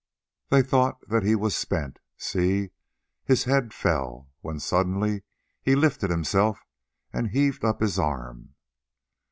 They thought that he was spent: see! his head fell, when suddenly he lifted himself and heaved up his arm.